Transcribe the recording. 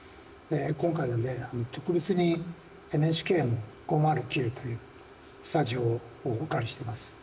今回は特別にＮＨＫの５０９というスタジオをお借りしています。